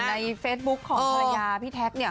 ในเฟซบุ๊คของภรรยาพี่แท็กเนี่ย